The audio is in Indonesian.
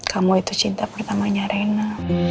kamu itu cinta pertamanya reina